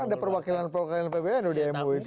kan ada perwakilan perwakilan pbnu di mui